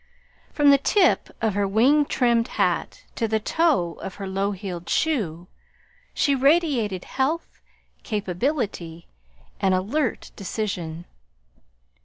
From the tip of her wing trimmed hat to the toe of her low heeled shoe she radiated health, capability, and alert decision.